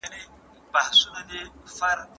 محصولات په ازاد بازار کي مبادله کیږي.